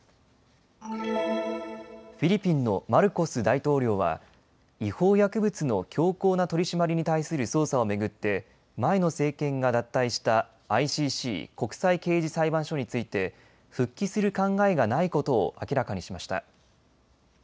フィリピンのマルコス大統領は違法薬物の強硬な取締りに対する捜査を巡って前の政権が脱退したＩＣＣ・国際刑事裁判所について復帰する考えがないことを明らかにしました。